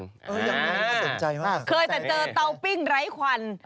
เคยแต่เจอเตาปิ้งไร้ควัน